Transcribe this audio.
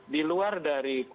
di luar dari covid